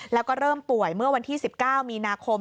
แล้วก็เริ่มป่วยเมื่อวันที่๑๙มีนาคม